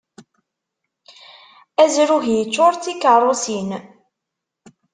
Azrug yeččur d tikeṛṛusin.